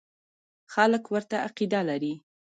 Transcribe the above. خلک ورته عقیده لري.